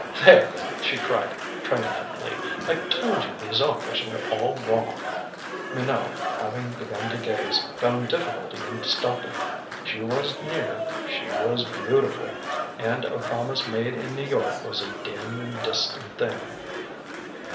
"There," she cried triumphantly. "I told you these authors were all wrong." Minot, having begun to gaze, found difficulty in stopping. She was near, she was beautiful and a promise made in New York was a dim and distant thing.